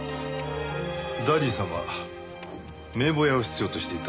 ダディさんは名簿屋を必要としていた。